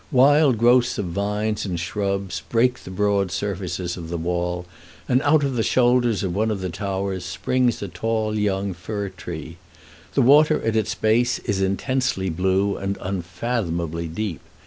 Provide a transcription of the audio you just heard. Wild growths of vines and shrubs break the broad surfaces of the wall, and out of the shoulders of one of the towers springs a tall young fir tree. The water at its base is intensely blue and unfathomably deep.